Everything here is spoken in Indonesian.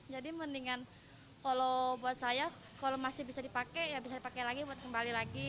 jadi mendingan kalau buat saya kalau masih bisa dipakai ya bisa dipakai lagi buat kembali lagi